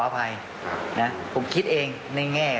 มันมีโอกาสเกิดอุบัติเหตุได้นะครับ